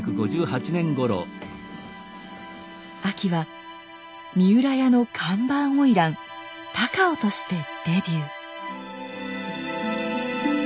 あきは三浦屋の看板花魁高尾としてデビュー。